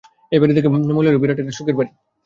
এই বাড়ি দেখে মনে হল বিরাট একটা শোকের বাড়ি।